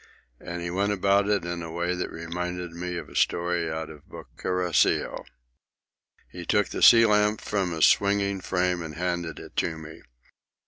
And he went about it in a way that reminded me of a story out of Boccaccio. He took the sea lamp from its swinging frame and handed it to me.